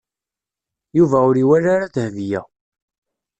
Yuba ur iwala ara Dahbiya.